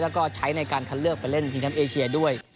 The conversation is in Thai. แล้วก็ใช้ในการคัดเลือกไปเล่นทีมแชมป์เอเชียด้วย